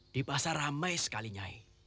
di pasar ramai sekali naik